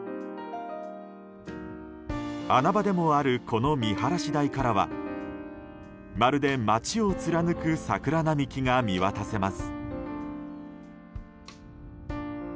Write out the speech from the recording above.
穴場でもあるこの見晴らし台からはまるで町を貫く桜並木が見渡せます。